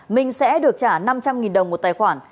minh sẽ được trả năm trăm linh đồng một tài khoản